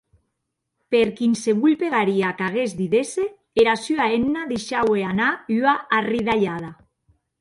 Per quinsevolh pegaria qu’aguest didesse, era sua hemna deishaue anar ua arridalhada.